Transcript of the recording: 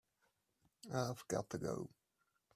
I've got to go.